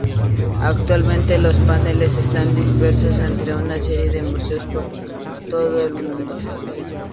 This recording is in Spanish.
Actualmente los paneles están dispersos entre una serie de museos por todo el mundo.